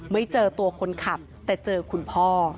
ไม่เจอตัวคนขับแต่เจอคุณพ่อ